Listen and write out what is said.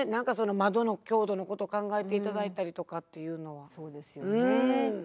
窓の強度のことを考えていただいたりとかっていうのは。